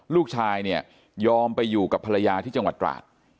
ลูกชายเนี่ยยอมไปอยู่กับภรรยาที่จังหวัดตราด